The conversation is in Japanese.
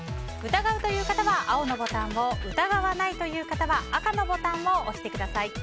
疑うという方は青のボタンを疑わないという方は赤のボタンを押してください。